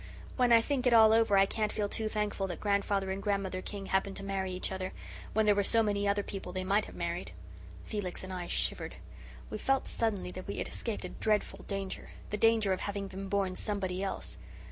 When I think it all over I can't feel too thankful that Grandfather and Grandmother King happened to marry each other, when there were so many other people they might have married." Felix and I shivered. We felt suddenly that we had escaped a dreadful danger the danger of having been born somebody else.